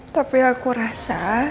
tapi aku rasa